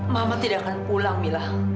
mama tidak akan pulang mila